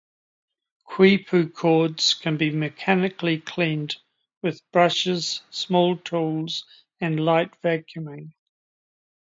"Quipu" cords can be "mechanically cleaned with brushes, small tools and light vacuuming".